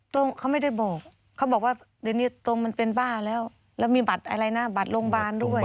ตรงเขาไม่ได้บอกเขาบอกว่าเดี๋ยวนี้ตรงมันเป็นบ้าแล้วแล้วมีบัตรอะไรนะบัตรโรงพยาบาลด้วย